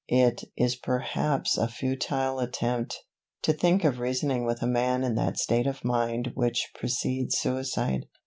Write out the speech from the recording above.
It is perhaps a futile attempt, to think of reasoning with a man in that state of mind which precedes suicide.